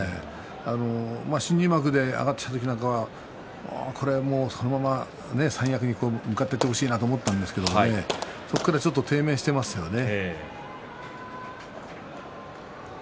新入幕で上がってきた時などはこれは、もうそのまま三役に向かっていってほしいと思ったんですが、そこからちょっと低迷していますね。